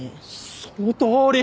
そのとおり！